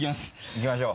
いきましょう。